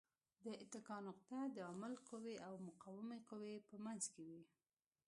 د اتکا نقطه د عامل قوې او مقاومې قوې په منځ کې وي.